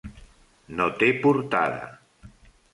No té portada.